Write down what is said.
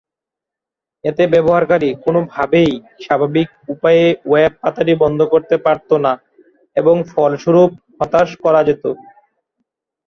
এতে ব্যবহারকারী কোনোভাবেই স্বাভাবিক উপায়ে ওয়েব পাতাটি বন্ধ করতে পারত না এবং ফলস্বরূপ হতাশ করে যেত।